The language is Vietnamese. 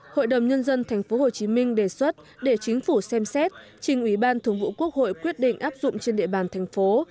hội đồng nhân dân tp hcm đề xuất để chính phủ xem xét trình ủy ban thường vụ quốc hội quyết định áp dụng trên địa bàn thành phố